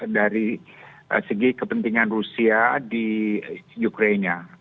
dari segi kepentingan rusia di ukraina